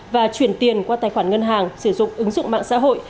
và chuyển tiền qua tài khoản ngân hàng sử dụng ứng dụng mạng xã hội